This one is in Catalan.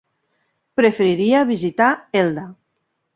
Preferiria visitar Elda.